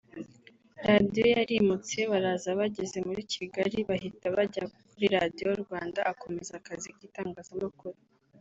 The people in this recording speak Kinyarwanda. Radio yarimutse baraza bageze muri Kigali bahita bajya kuri Radio Rwanda akomeza akazi k’ itangazamakuru